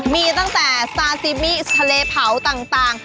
มีตั้งแต่ซาซิมิทะเลเผาต่าง